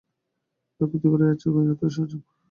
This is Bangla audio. প্রায় প্রতি ঘরেই আছে গয়না তৈরির সরঞ্জাম।